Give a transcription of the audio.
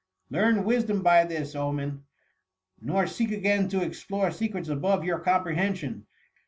Learn wisdom by this omen, nor seek again to explore secrets above your comprehension